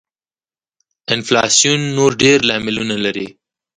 انفلاسیون نور ډېر لاملونه لري.